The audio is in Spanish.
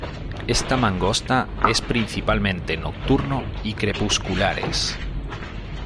Esta mangosta es principalmente nocturno y crepusculares.